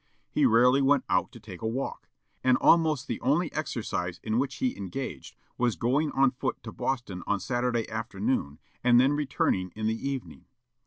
He rarely went out to take a walk; and almost the only exercise in which he engaged was going on foot to Boston on Saturday afternoon, and then returning in the evening.